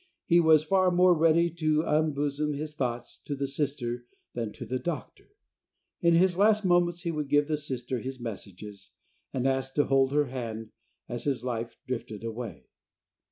He was far more ready to unbosom his thoughts to the Sister than to the doctor. In his last moments he would give the Sister his messages, and asked to hold her hand as his life drifted away.